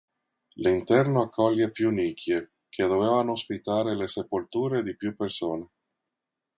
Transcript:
L'interno accoglie più nicchie, che dovevano ospitare le sepolture di più persone.